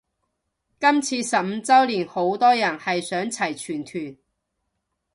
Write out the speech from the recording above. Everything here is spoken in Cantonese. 今次十五周年好多人係想齊全團